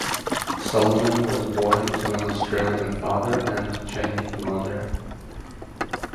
Solomon was born to an Australian father and Chinese mother.